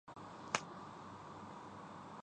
دوسروں کے ساتھ رابطے سے پرہیز کرتا ہوں